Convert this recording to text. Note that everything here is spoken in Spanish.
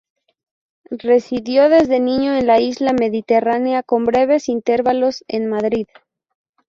Residió desde niño en la isla mediterránea con breves intervalos en Madrid.